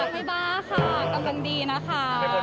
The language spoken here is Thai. ไม่บ้าค่ะกำลังดีนะคะ